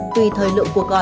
tùy thời lượng cuộc gọi